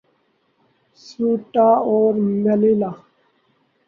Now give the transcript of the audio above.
Ceuta اور Melilla